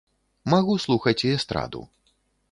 Магу слухаць і эстраду.